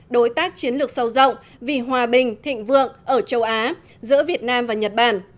đối tác chiến lược sâu rộng vì hòa bình thịnh vượng ở châu á giữa việt nam và nhật bản